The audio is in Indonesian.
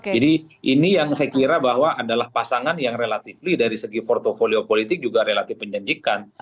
ini yang saya kira bahwa adalah pasangan yang relatifly dari segi portfolio politik juga relatif menjanjikan